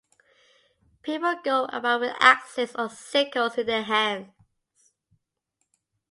People go about with axes or sickles in their hands.